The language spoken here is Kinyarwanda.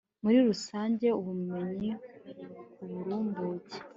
muri rusange, ubumenyi ku burumbuke